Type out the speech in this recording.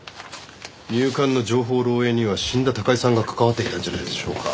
入管の情報漏洩には死んだ高井さんが関わっていたんじゃないでしょうか。